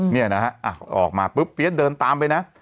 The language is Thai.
เนี่ยนะฮะออกมาปุ๊บเฟียสเดินตามไปนะ